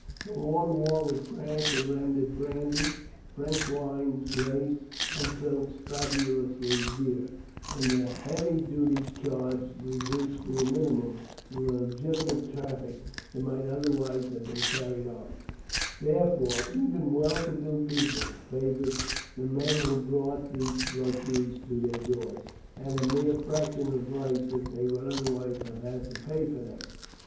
The long war with France had rendered brandy, French wines, lace, and silks fabulously dear, and the heavy duties charged reduced to a minimum the legitimate traffic that might otherwise have been carried on; therefore, even well to do people favoured the men who brought these luxuries to their doors, at a mere fraction of the price that they would otherwise have had to pay for them.